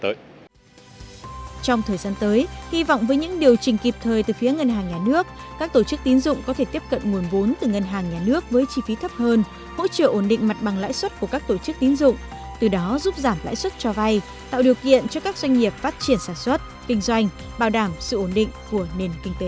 trong thời gian tới hy vọng với những điều chỉnh kịp thời từ phía ngân hàng nhà nước các tổ chức tín dụng có thể tiếp cận nguồn vốn từ ngân hàng nhà nước với chi phí thấp hơn hỗ trợ ổn định mặt bằng lãi suất của các tổ chức tín dụng từ đó giúp giảm lãi suất cho vay tạo điều kiện cho các doanh nghiệp phát triển sản xuất kinh doanh bảo đảm sự ổn định của nền kinh tế